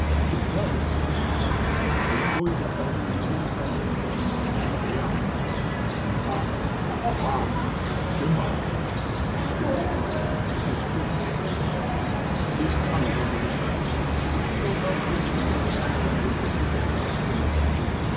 " ''It does." "And are you going to tell the Indians that ?"~" "I am." "Ahm! Ahm ! Shimauget." (It is good — It is good, chief.) His coming, under the circumstances, showed how anx iously some of them were looking for the Gospel message.